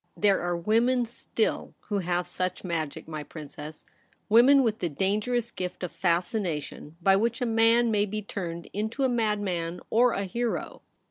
There are women still who have such magic, my Princess — women with the dangerous gift of fascination by which a man may be turned into a madman or a hero.